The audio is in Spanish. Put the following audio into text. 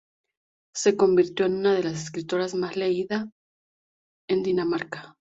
Se convirtió en una de las escritoras más leídas en Dinamarca.